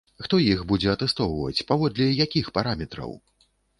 Хто іх будзе атэстоўваць, паводле якіх параметраў?